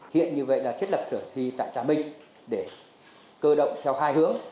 hiện như vậy là thiết lập sở thi tại trà minh để cơ động theo hai hướng